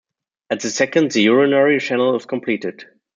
At the second, the urinary channel is completed.